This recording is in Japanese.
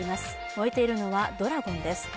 燃えているのは、ドラゴンです。